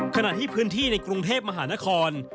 ขณะที่พื้นที่ในกรุงเทพมหานคร